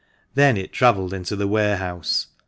Thence it travelled into the warehouse.